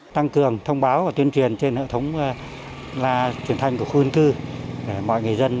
tăng cường thông báo và tuyên truyền trên hệ thống là truyền thanh của khuôn cư để mọi người dân